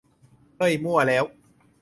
เฮ้ยมั่วแล้ว